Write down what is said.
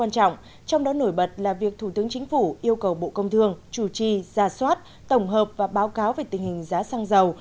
trong đó nổi bật là việc thủ tướng chính phủ yêu cầu bộ công thương chủ trì ra soát tổng hợp và báo cáo về tình hình giá xăng dầu